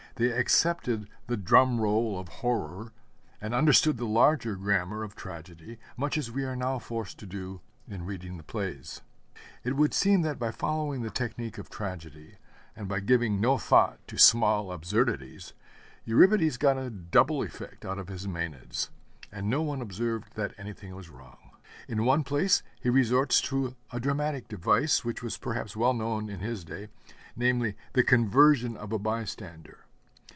They accepted the drum roll of horror, and understood the larger grammar of tragedy, much as we are now forced to do in reading the plays. It would seem that by following the technique of tragedy, and by giving no thought to small absurdities, Euripides got a double effect out of his Mænads and no one observed that anything was wrong. In one place he resorts to a dramatic device, which was perhaps well known in his day, namely, the 'conversion' of a bystander.